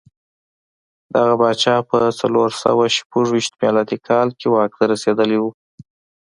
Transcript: دغه پاچا په څلور سوه شپږ ویشت میلادي کال کې واک ته رسېدلی و.